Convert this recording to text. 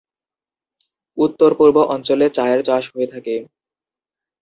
উত্তর-পূর্ব অঞ্চলে চায়ের চাষ হয়ে থাকে।